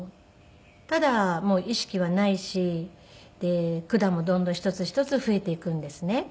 ただ意識はないし管もどんどん一つ一つ増えていくんですね。